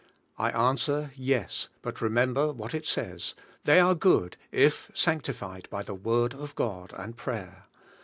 I answer, yes, but remember what it says; they are good, if sanctified by the Word of God and prayer.